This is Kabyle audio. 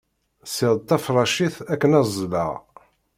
Ssiɣ-d taferracit akken ad ẓleɣ.